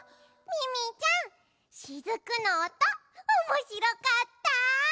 ミミィちゃんしずくのおとおもしろかった。